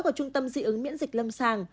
của trung tâm dị ứng miễn dịch lâm sàng